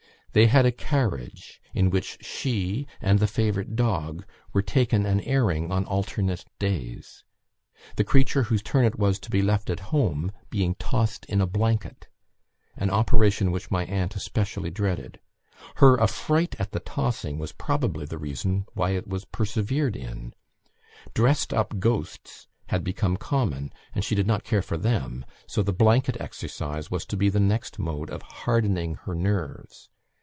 They had a carriage, in which she and the favourite dog were taken an airing on alternate days; the creature whose turn it was to be left at home being tossed in a blanket an operation which my aunt especially dreaded. Her affright at the tossing was probably the reason why it was persevered in. Dressed up ghosts had become common, and she did not care for them, so the blanket exercise was to be the next mode of hardening her nerves.